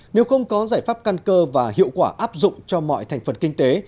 nếu không có giải pháp căn cơ và hiệu quả áp dụng cho mọi thành phần kinh tế